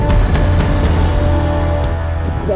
saya akan bawa kamu ke kantor polisi